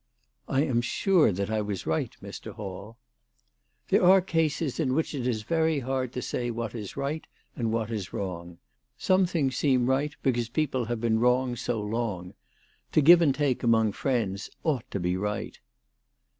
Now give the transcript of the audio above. " I am sure that I was right, Mr. Hall." " There are cases in which it is very hard to say what is right and what is wrong. Some things seem right because people have been wrong so long. To give and take among friends ought to be right."